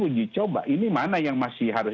uji coba ini mana yang masih harus